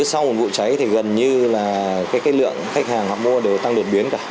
sau một vụ cháy thì gần như là cái lượng khách hàng hoặc mua đều tăng đột biến cả